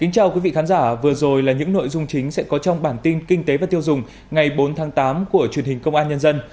chào mừng quý vị đến với bản tin kinh tế và tiêu dùng ngày bốn tháng tám của truyền hình công an nhân dân